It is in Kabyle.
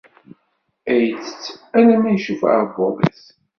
Ad itett alamma icuff uɛebbuḍ-is.